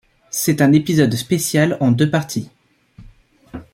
C'est un épisode spécial en deux parties.